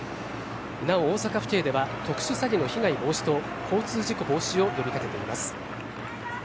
なお、大阪府警では特殊詐欺の被害防止と交通事故防止を呼びかけています。